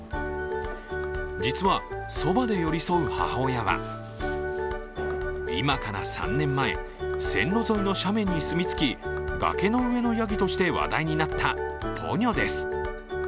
実は、そばで寄り添う母親は今から３年前、線路沿いの斜面に住み着き崖の上のヤギとして話題になったポニョです。